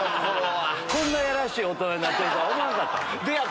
こんなやらしい大人になってるとは思わなかった。